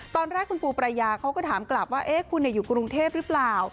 ตอนแรกคุณปูปรายาเขาก็ถามกลับว่าคุณอยู่กรุงเทพหรือเปล่า